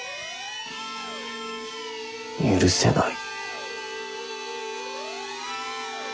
許せない。